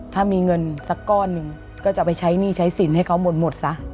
ถ้ามีเงินสักก้อนหนึ่งก็จะไปใช้หนี้ใช้สินให้เขาหมดซะ